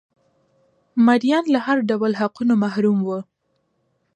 مریان له هر ډول حقونو محروم وو